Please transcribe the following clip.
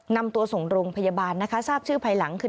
นำตัวส่งโรงพยาบาลนะคะทราบชื่อภายหลังคือ